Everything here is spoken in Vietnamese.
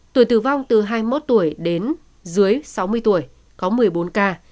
tuổi tử vong từ hai mươi một tuổi đến dưới sáu mươi tuổi có một mươi bốn ca hai mươi bốn